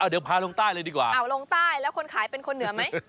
เดี๋ยวพาลงใต้เลยดีกว่าลงใต้แล้วคนขายเป็นคนเหนือไหม